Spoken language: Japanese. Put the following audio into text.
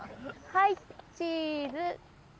はいチーズ。